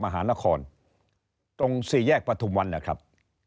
มหานครตรงสี่แยกประทุมวันนะครับ